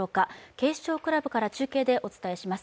警視庁クラブから中継でお伝えします。